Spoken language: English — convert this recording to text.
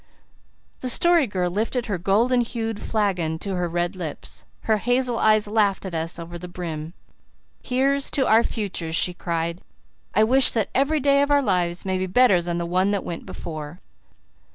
The Story Girl lifted her golden hued flagon to her red lips. Her hazel eyes laughed at us over the brim. "Here's to our futures," she cried, "I wish that every day of our lives may be better than the one that went before."